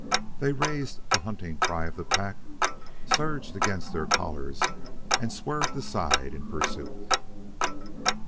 They raised the hunting cry of the pack, surged against their collars, and swerved aside in pursuit.